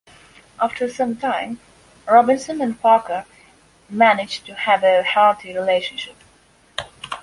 After some time, Robinson and Parker managed to have a hearty relationship.